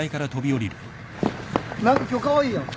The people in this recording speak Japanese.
何か今日カワイイやん。